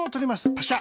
パシャ。